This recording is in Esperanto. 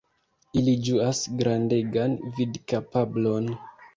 Ili ĝuas grandegan vidkapablon.